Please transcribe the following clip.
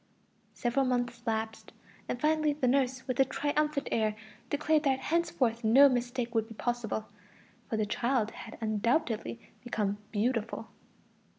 Several months elapsed, and finally the nurse, with a triumphant air, declared that henceforth no mistake would be possible, for the child had undoubtedly become "beautiful."